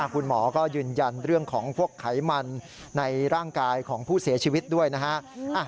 คุณหมอก็ยืนยันเรื่องของพวกไขมันในร่างกายของผู้เสียชีวิตด้วยนะฮะ